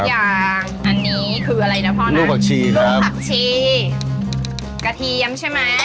มันเป็นของสูตรอการทำงาน